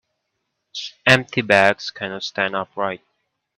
Empty bags cannot stand upright.